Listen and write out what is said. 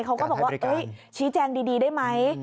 เขาก็บอกว่าชี้แจงดีได้ไหม